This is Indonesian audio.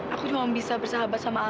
aku cuma bisa bersahabat sama allah